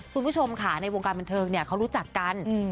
คุณผู้ชมค่ะในวงการบันเทิงเนี่ยเขารู้จักกัน